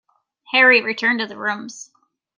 Harry returned to the rooms.